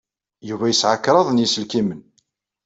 Yuba yesɛa kraḍ n yiselkimen.